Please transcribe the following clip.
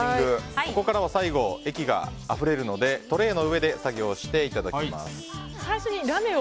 ここからは液があふれるのでトレーの上で作業をしていただきます。